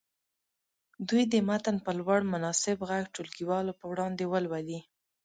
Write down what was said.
دوی دې متن په لوړ مناسب غږ ټولګیوالو په وړاندې ولولي.